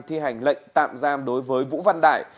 thi hành lệnh tạm giam đối với vũ văn đại